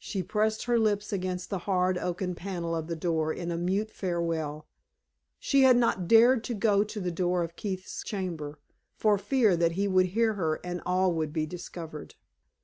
She pressed her lips against the hard oaken panel of the door in a mute farewell. She had not dared to go to the door of Keith's chamber, for fear that he would hear her and all would be discovered.